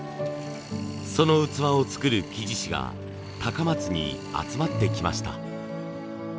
その器を作る木地師が高松に集まってきました。